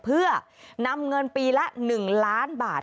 เพื่อนำเงินปีละ๑ล้านบาท